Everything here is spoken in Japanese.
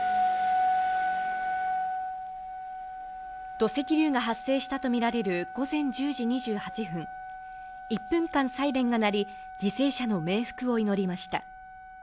土石流が発生したとみられる午前１０時２８分、１分間サイレンが鳴り、犠牲者の冥福を祈りました。